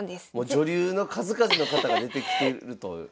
女流の数々の方が出てきてるという。